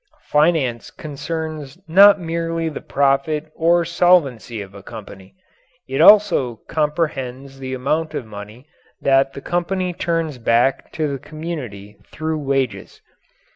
Finance concerns not merely the profit or solvency of a company; it also comprehends the amount of money that the company turns back to the community through wages.